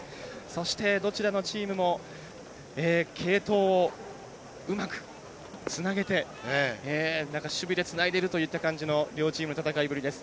そして、どちらのチームも継投をうまくつなげてなんか守備でつないでいるといった感じの両チームの戦いぶりです。